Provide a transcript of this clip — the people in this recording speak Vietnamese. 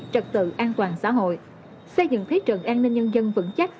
trật tự an toàn xã hội xây dựng thế trận an ninh nhân dân vững chắc